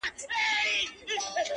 زه به دي تل په ياد کي وساتمه،